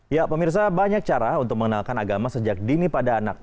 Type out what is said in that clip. ya pemirsa banyak cara untuk mengenalkan agama sejak dini pada anak